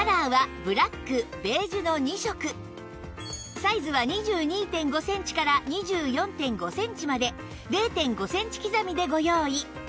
サイズは ２２．５ センチから ２４．５ センチまで ０．５ センチ刻みでご用意